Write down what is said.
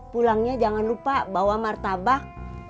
pulangnya jangan lupa bawa martabak